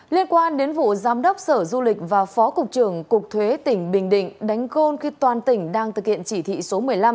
liên quan đến vụ giám đốc sở du lịch và phó cục trưởng cục thuế tỉnh bình định đánh gôn khi toàn tỉnh đang thực hiện chỉ thị số một mươi năm